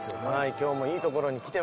今日もいい所に来てます。